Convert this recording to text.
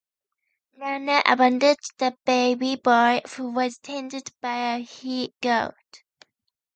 Nana abandoned the baby boy, who was tended by a he-goat.